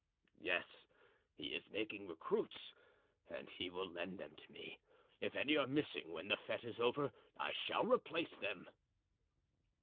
"Yes, he is making recruits and he will lend them to me; if any are missing when the fete is over, I shall replace them."